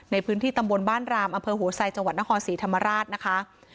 ในพื้นที่ตำบลบ้านรามอำเภอหัวไซจังหวัดนครศรีธรรมราชนะคะ